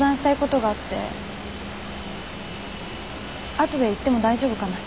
あとで行っても大丈夫かなあ。